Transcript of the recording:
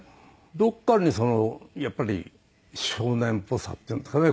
どこかにやっぱり少年っぽさっていうんですかね